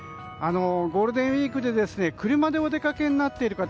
ゴールデンウィークで車でお出かけになっている方